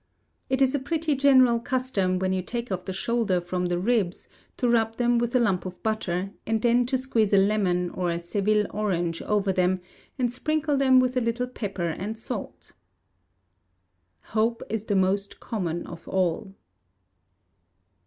It is a pretty general Custom, when you take off the shoulder from the ribs, to rub them with a lump of butter, and then to squeeze a lemon or Seville orange over them, and sprinkle them with a little pepper and salt. [HOPE IS THE MOST COMMON OF ALL.